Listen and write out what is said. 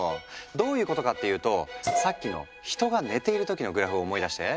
どういうことかっていうとさっきの人が寝ている時のグラフを思い出して。